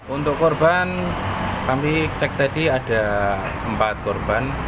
untuk korban kami cek tadi ada empat korban